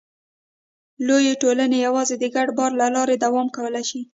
لویې ټولنې یواځې د ګډ باور له لارې دوام کولی شي.